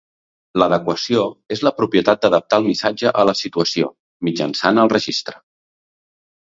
L'adequació és la propietat d'adaptar el missatge a la situació, mitjançant el registre.